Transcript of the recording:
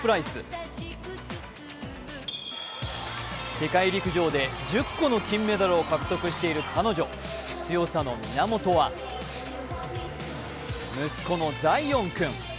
世界陸上で１０個の金メダルを獲得している彼女強さの源は、息子のザイオン君、